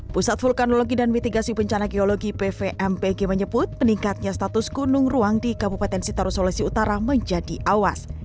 pusat vulkanologi dan mitigasi bencana geologi pvmpg menyebut meningkatnya status gunung ruang di kabupaten sitaru sulawesi utara menjadi awas